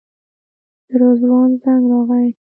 د رضوان زنګ راغی.